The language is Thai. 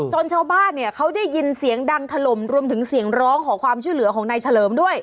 ชาวบ้านเนี่ยเขาได้ยินเสียงดังถล่มรวมถึงเสียงร้องขอความช่วยเหลือของนายเฉลิมด้วย